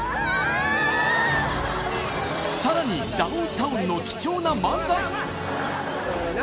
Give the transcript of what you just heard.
さらにダウンタウンの貴重な漫才名